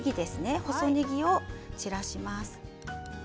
細ねぎを散らします。